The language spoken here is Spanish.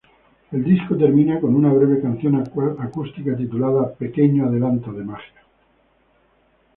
El disco termina con una breve canción acústica titulada "Pequeño Adelanto De Magia".